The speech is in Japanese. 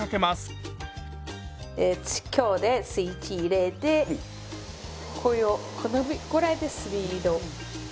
強でスイッチ入れてこのぐらいでスピード。